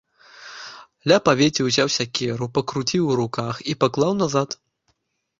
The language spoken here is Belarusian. Ля павеці ўзяў сякеру, пакруціў у руках і паклаў назад.